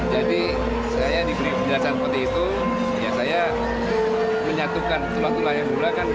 jadi saya diberi penjelasan seperti itu ya saya menyatukan semua semua yang berulang kan